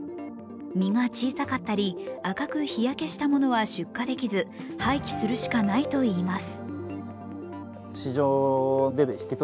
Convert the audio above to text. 実が小さかったり、赤く日焼けしたものは出荷できず、廃棄するしかないといいます。